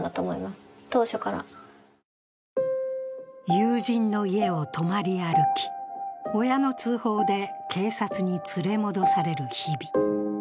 友人の家を泊まり歩き、親の通報で警察に連れ戻される日々。